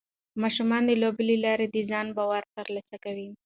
ماشومان د لوبو له لارې د ځان باور ترلاسه کوي.